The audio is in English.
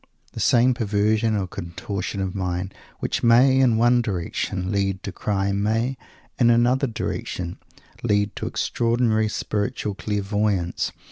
The same perversion or contortion of mind which may, in one direction, lead to crime may, in another direction, lead to extraordinary spiritual clairvoyance.